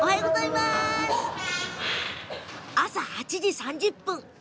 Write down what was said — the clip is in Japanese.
朝８時３０分